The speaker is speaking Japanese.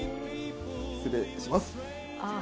失礼します。